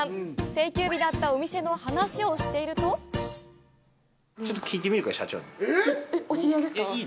定休日だったお店の話をしているとえっ、お知り合いですか？